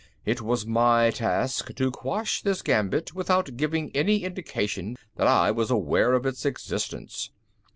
It was my task to quash this gambit, without giving any indication that I was aware of its existence."